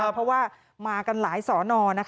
เพราะว่ามากันหลายสอนอ